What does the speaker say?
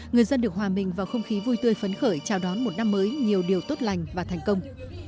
người dân được hòa mình vào không khí vui tươi phấn khởi chào đón một năm mới nhiều điều tốt lành và thành công